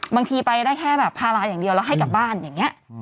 บางทีไปได้แค่แบบพาราอย่างเดียวแล้วให้กลับบ้านอย่างนี้